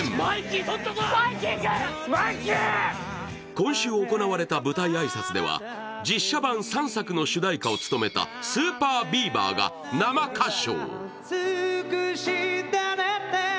今週行われた舞台挨拶では実写版３作の主題歌を務めたＳＵＰＥＲＢＥＡＶＥＲが生歌唱。